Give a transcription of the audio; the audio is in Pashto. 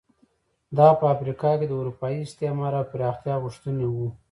دا په افریقا کې د اروپایي استعمار او پراختیا غوښتنې وو.